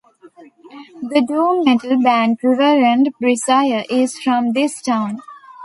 The Doom Metal band Reverend Bizarre is from this town.